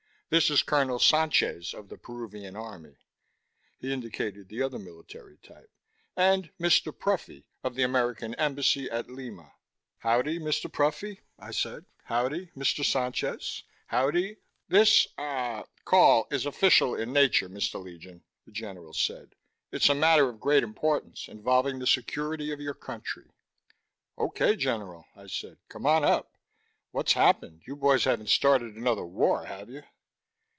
"This is Colonel Sanchez of the Peruvian Army " he indicated the other military type " and Mr. Pruffy of the American Embassy at Lima." "Howdy, Mr. Pruffy," I said. "Howdy, Mr. Sanchez. Howdy " "This ... ah ... call is official in nature, Mr. Legion," the general said. "It's a matter of great importance, involving the security of your country." "OK, General," I said. "Come on up. What's happened? You boys haven't started another war, have you?"